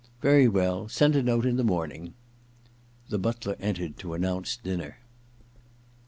* Very well. Send a note in the morning.* The butler entered to announce dinner.